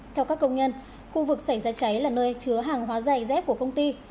theo các công nhân khu vực xảy ra cháy là nơi chứa hàng hóa giày dép của công ty